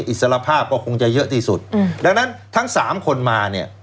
อิสรภาพก็คงจะเยอะที่สุดดังนั้นทั้งสามคนมาเนี่ย